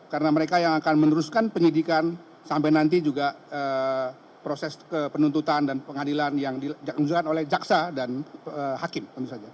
karena mereka yang akan meneruskan penyidikan sampai nanti juga proses penuntutan dan pengadilan yang dilakukan oleh jaksa dan hakim